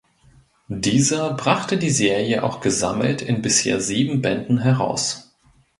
Dieser brachte die Serie auch gesammelt in bisher sieben Bänden heraus.